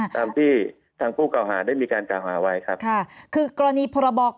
ตามที่ทางผู้เก่าหาได้มีการเก่าหาใหม่